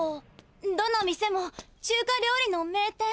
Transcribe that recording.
どの店も中華料理の名店。